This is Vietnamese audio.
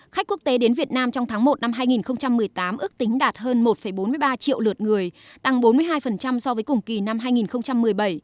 khách quốc tế đến việt nam trong tháng một năm hai nghìn một mươi tám ước tính đạt hơn một bốn mươi ba triệu lượt người tăng bốn mươi hai so với cùng kỳ năm hai nghìn một mươi bảy